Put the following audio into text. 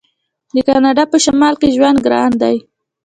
د کاناډا په شمال کې ژوند ګران دی.